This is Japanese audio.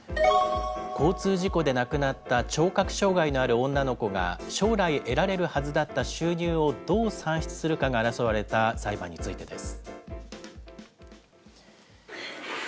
交通事故で亡くなった聴覚障害のある女の子が将来得られるはずだった収入をどう算出するかが争われた裁判についてです。